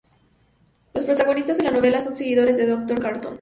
Los protagonistas de la novela son seguidores del Dr. Carton.